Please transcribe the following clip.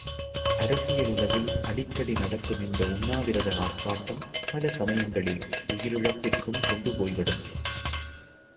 அரசியல் உலகில் அடிக்கடி நடக்கும் இந்த உண்ணாவிரத ஆர்ப்பாட்டம், பல சமயங்களில் உயிரிழப்பிற்கும் கொண்டு போய்விடும்.